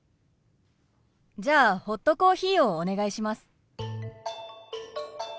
じゃあホットコーヒーをお願いします。